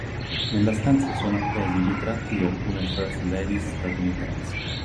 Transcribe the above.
Nella stanza sono appesi ritratti di alcune First Ladies statunitensi.